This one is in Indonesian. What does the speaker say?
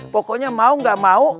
pokoknya mau gak mau